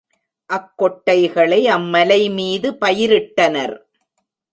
அக் கொட்டைகளை அம் மலைமீது பயிரிட்டனர்.